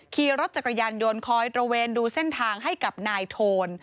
ขี่รถจักรยานยนต์คอยตระเวนดูเส้นทางให้กับนายโทน